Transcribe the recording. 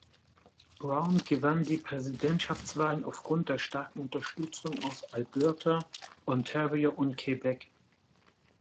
Brown gewann die Präsidentschaftswahlen aufgrund der starken Unterstützung aus Alberta, Ontario und Quebec.